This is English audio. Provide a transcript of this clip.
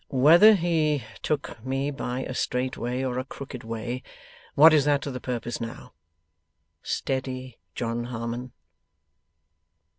Whether he took me by a straight way or a crooked way, what is that to the purpose now? Steady, John Harmon.